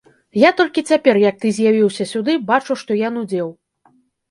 Я толькі цяпер, як ты з'явіўся сюды, бачу, што я нудзеў.